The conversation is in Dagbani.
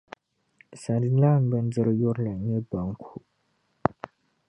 Sadilan bindiri yurili n-nyɛ banku.